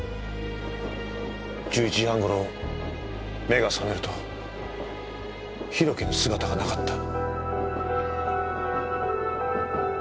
１１時半頃目が覚めると博貴の姿がなかった。